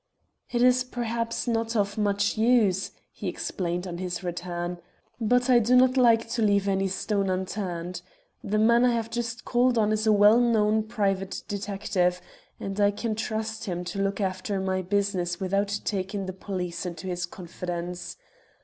"It is perhaps not of much use," he explained on his return, "but I do not like to leave any stone unturned. The man I have just called on is a well known private detective, and I can trust him to look after my business without taking the police into his confidence.